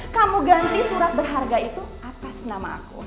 kamu ganti surat berharga itu atas nama aku